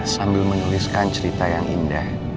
sambil menuliskan cerita yang indah